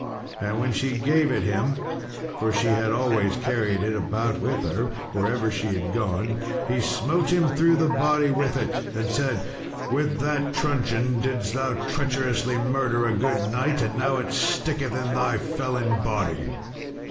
And when she gave it him for she had always carried it about with her, wherever she had gone he smote him through the body with it, and said, "With that truncheon didst thou treacherously murder a good knight, and now it sticketh in thy felon body."